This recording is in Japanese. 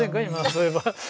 そういえば。